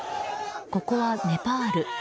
ここはネパール。